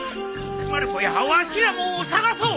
まる子やわしらも捜そう。